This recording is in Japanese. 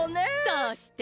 そして。